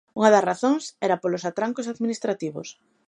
Unha das razóns era polos atrancos administrativos.